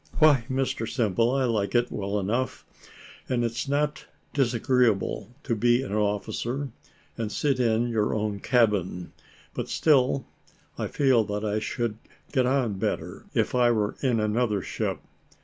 "Why, Mr Simple, I like it well enough, and it's not disagreeable to be an officer, and sit in your own cabin; but still, I feel that I should get on better, if I were in another ship.